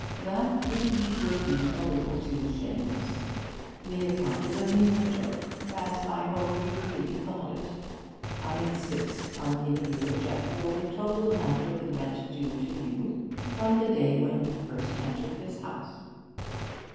That indeed would be a little too shameless. This account is a mere joke as I hope you really thought it. I insist on giving you a cheque for the total amount of the rent due to you from the day when you first entered this house.'